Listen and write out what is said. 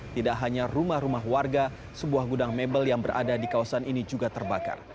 tidak hanya rumah rumah warga sebuah gudang mebel yang berada di kawasan ini juga terbakar